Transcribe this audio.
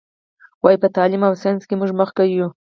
وایي: په تعلیم او ساینس کې موږ مخکې یو.